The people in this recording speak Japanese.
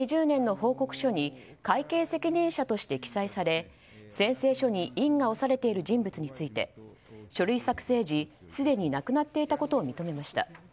寺田大臣は２０１９年と２０２０年の報告書に会計責任者として記載され宣誓書に印が押されている人物について書類作成時すでに亡くなっていたことを認めました。